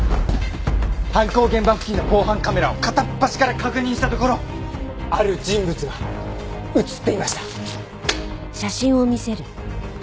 犯行現場付近の防犯カメラを片っ端から確認したところある人物が映っていました。